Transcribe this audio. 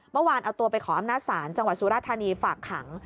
เมื่อวานเอาตัวไปขออำนาจศาลจังหวัดสุราธานีฝากขัง